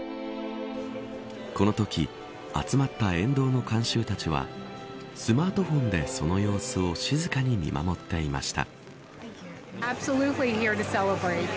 このとき集まった沿道の観衆たちはスマートフォンでその様子を静かに見守っていました。